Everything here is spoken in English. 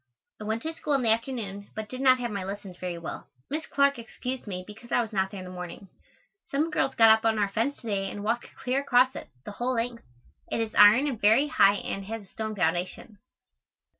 I went to school in the afternoon, but did not have my lessons very well. Miss Clark excused me because I was not there in the morning. Some girls got up on our fence to day and walked clear across it, the whole length. It is iron and very high and has a stone foundation.